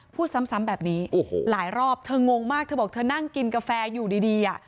พูดซ้ำแบบนี้โอ้โหหลายรอบเธองงมากเธอบอกเธอนั่งกินกาแฟอยู่ดีอ่ะ